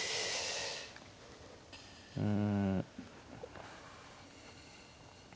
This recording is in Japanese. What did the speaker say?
うん。